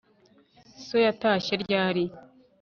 So yatashye ryari